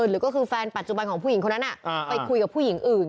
หรือก็คือแฟนปัจจุบันของผู้หญิงคนนั้นไปคุยกับผู้หญิงอื่น